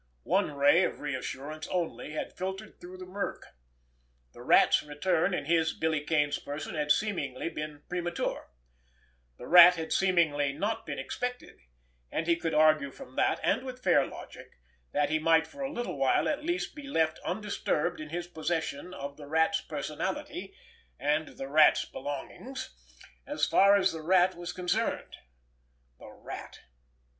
One ray of reassurance only had filtered through the murk. The Rat's return in his, Billy Kane's, person, had seemingly been premature, the Rat had seemingly not been expected; and he could argue from that, and with fair logic, that he might for a little while at least be left undisturbed in his possession of the Rat's personality, and the Rat's belongings—as far as the Rat was concerned. The Rat!